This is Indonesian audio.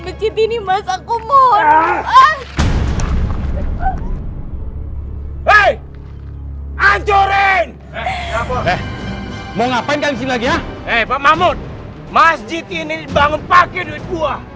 masjid ini dibangun pake duit gua